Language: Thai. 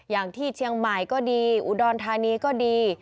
อย่างที่เชียงใหม่ก็ดีอุดรธานีก็ดี